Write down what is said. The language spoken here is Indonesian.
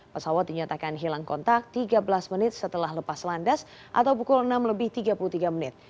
pesawat dinyatakan hilang kontak tiga belas menit setelah lepas landas atau pukul enam lebih tiga puluh tiga menit